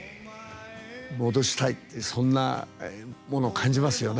戻したいってそんなものを感じますよね。